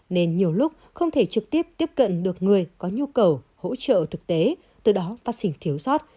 nên nhiều lúc không thể trực tiếp tiếp cận được người có nhu cầu hỗ trợ thực tế từ đó phát sinh thiếu sót